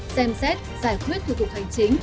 xem xét giải quyết thủ tục hành chính